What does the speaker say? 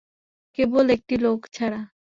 কেবল একটি লোক ছাড়া।